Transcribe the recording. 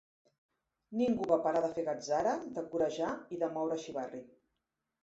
Ningú va parar de fer gatzara, de corejar i de moure xivarri.